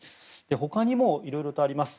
他にも、いろいろあります。